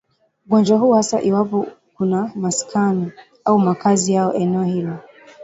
ugonjwa huu hasa iwapo kuna maskani au makazi yao eneo hilo